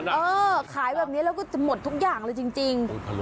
เออขายแบบนี้แล้วก็จะหมดทุกอย่างเลยจริง